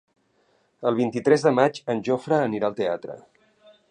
El vint-i-tres de maig en Jofre anirà al teatre.